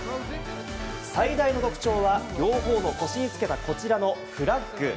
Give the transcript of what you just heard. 最大の特徴は両方の腰に付けたこちらのフラッグ。